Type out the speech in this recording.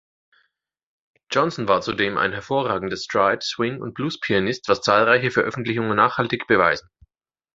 Johnson war zudem ein hervorragender Stride-, Swing- und Blues-Pianist, was zahlreiche Veröffentlichungen nachhaltig beweisen.